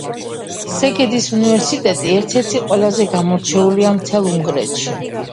სეგედის უნივერსიტეტი ერთ-ერთი ყველაზე გამორჩეულია მთელ უნგრეთში.